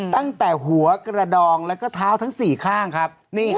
ตั้งแต่หัวกระดองแล้วก็เท้าทั้ง๔ข้างครับ